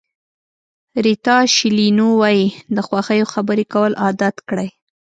ریتا شیلینو وایي د خوښیو خبرې کول عادت کړئ.